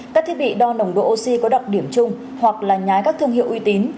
các thiết bị đo nồng độ oxy có đặc điểm chung hoặc là nhái các thương hiệu uy tín